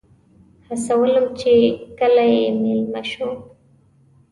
هڅولم چې کله یې میلمه شم.